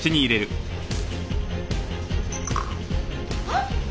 あっ！